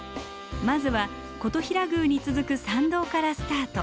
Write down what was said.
まずは金刀比羅宮に続く参道からスタート。